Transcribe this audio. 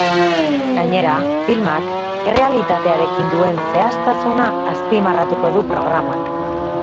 Gainera, filmak errealitatearekin duen zehaztasuna azpimarratuko du programak.